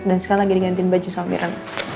dan sekarang lagi digantiin baju sama myrna